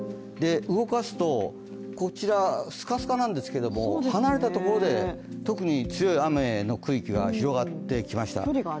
動かすと、こちら、スカスカなんですけど離れたところで特に強い雨の区域が広がってきました。